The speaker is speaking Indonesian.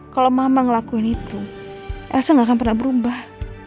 kalau mama ngelakuin itu elsa gak akan pernah berubah